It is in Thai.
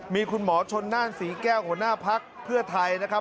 มีคุณหมอชนน่านศรีแก้วหัวหน้าภักดิ์เพื่อไทยนะครับ